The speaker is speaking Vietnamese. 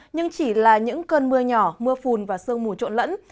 nhưng chỉ là những cơn mưa nhỏ mưa phùn và sương mù trộn lẫn